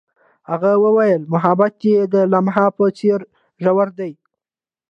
هغې وویل محبت یې د لمحه په څېر ژور دی.